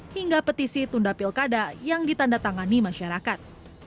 hingga petisi tunda pilkada yang ditandatangani masyarakat